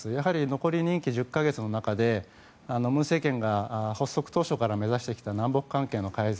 残り任期１０か月の中で文政権が発足当初から目指してきた南北関係の改善。